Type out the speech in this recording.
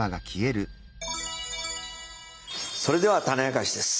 それではタネあかしです。